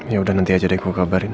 yaudah nanti aja deh gue kabarin